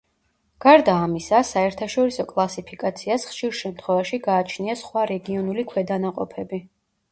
გარდა ამისა, საერთაშორისო კლასიფიკაციას ხშირ შემთხვევაში გააჩნია სხვა რეგიონული ქვედანაყოფები.